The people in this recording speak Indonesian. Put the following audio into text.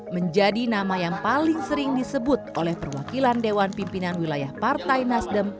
menjadi nama yang paling sering disebut oleh perwakilan dewan pimpinan wilayah partai nasdem